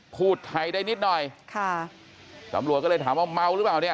พูดไทยได้นิดหน่อยค่ะตำรวจก็เลยถามว่าเมาหรือเปล่าเนี่ย